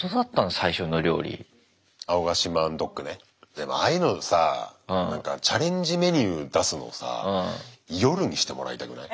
でもああいうのさなんかチャレンジメニュー出すのさ夜にしてもらいたくない？